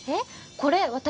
これ私。